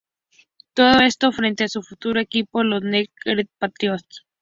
Todo esto frente a su futuro equipo; los New England Patriots.